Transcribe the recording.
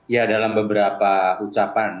ya dalam beberapa ucapan